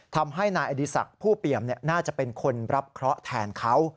ทำให้นายอดีศักดิ์ผู้เปี่ยมน่าจะเป็นคนรับเคราะห์แทนเขา